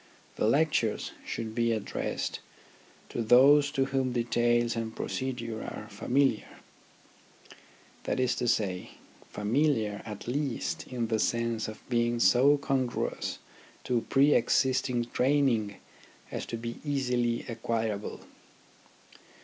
The lectures should be addressed to those to whom details and procedure are familiar ; that is to say, familiar at least in the sense of being so congruous to pre existing training as to be easily acquirable.